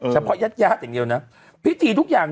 เฉพาะญาติญาติอย่างเดียวนะพิธีทุกอย่าง